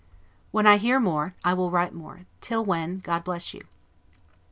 When I hear more, I will write more; till when, God bless you!